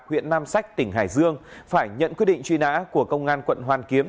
huyện nam sách tỉnh hải dương phải nhận quyết định truy nã của công an quận hoàn kiếm